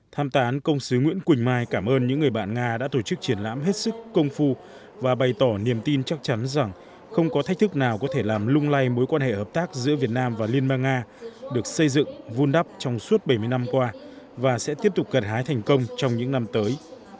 tham tán công sứ nguyễn quỳnh mai cảm ơn những người bạn nga đã tổ chức triển lãm hết sức công phu và bày tỏ niềm tin chắc chắn rằng không có thách thức nào có thể làm lung lay mối quan hệ hợp tác giữa việt nam và liên bang nga được xây dựng vun đắp trong suốt bảy mươi năm qua và sẽ tiếp tục gần hái thành công trong những năm tới